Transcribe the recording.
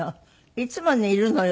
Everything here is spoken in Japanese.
いつもねいるのよ